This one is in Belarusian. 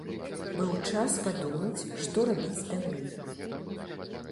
Быў час падумаць, што рабіць далей.